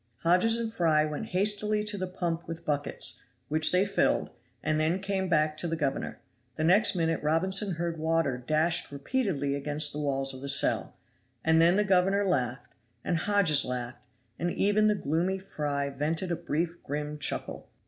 Hodges and Fry went hastily to the pump with buckets, which they filled, and then came back to the governor; the next minute Robinson heard water dashed repeatedly against the walls of the cell, and then the governor laughed, and Hodges laughed, and even the gloomy Fry vented a brief grim chuckle.